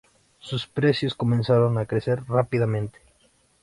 Sus precios comenzaron a crecer rápidamente.